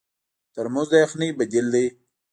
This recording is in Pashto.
ترموز د یخنۍ بدیل دی.